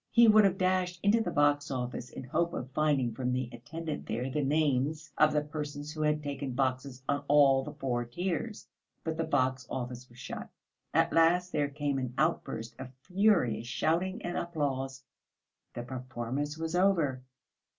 He would have dashed into the box office in hope of finding from the attendant there the names of the persons who had taken boxes on all the four tiers, but the box office was shut. At last there came an outburst of furious shouting and applause. The performance was over.